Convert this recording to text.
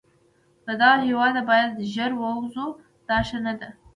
له دغه هیواده باید ژر ووزو، دا ښه نه ده.